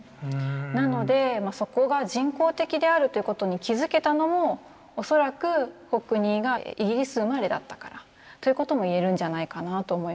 なのでそこが人工的であるということに気付けたのも恐らくホックニーがイギリス生まれだったからということも言えるんじゃないかなと思います。